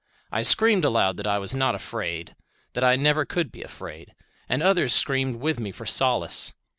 I screamed aloud that I was not afraid; that I never could be afraid; and others screamed with me for solace.